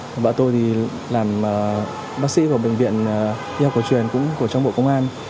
vợ tôi thì làm bác sĩ của bệnh viện y học hồ chuyền cũng trong bộ công an